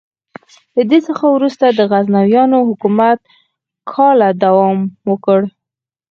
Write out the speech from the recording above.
له دې څخه وروسته د غزنویانو حکومت کاله دوام وکړ.